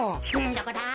どこだ？